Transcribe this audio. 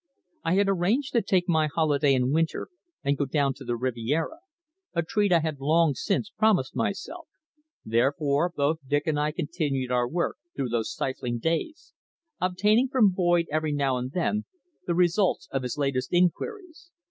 I had arranged to take my holiday in winter and go down to the Riviera, a treat I had long since promised myself, therefore both Dick and I continued our work through those stifling days, obtaining from Boyd every now and then the results of his latest inquiries.